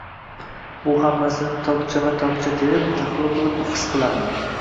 — Bu hammasini tokchama-tokcha terib, tahlil qilib, his qilaman.